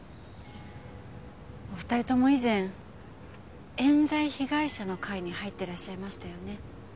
お二人とも以前冤罪被害者の会に入ってらっしゃいましたよね。